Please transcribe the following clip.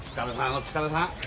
お疲れさん。